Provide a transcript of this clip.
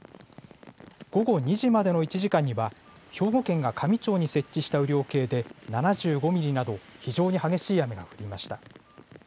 午後２時までの１時間には、兵庫県が香美町に設置した雨量計で７５ミリなど、非常に激しい雨が降りました。